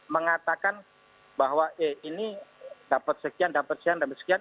mengatakan bahwa ini dapat sekian dapat sekian dapat sekian